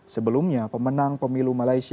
sebelumnya pemenang pemilu malaysia